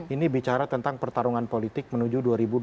ini bicara tentang pertarungan politik menuju dua ribu dua puluh